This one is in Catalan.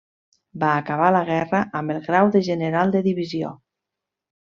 Va acabar la guerra amb el grau de general de divisió.